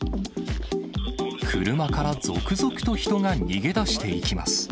車から続々と人が逃げ出していきます。